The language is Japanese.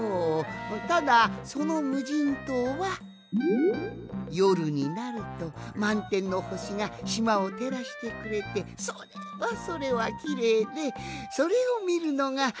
ただそのむじんとうはよるになるとまんてんのほしがしまをてらしてくれてそれはそれはきれいでそれをみるのがたのしみなんじゃが。